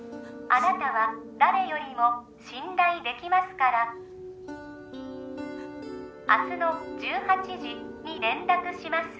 あなたは誰よりも信頼できますから明日の１８時に連絡します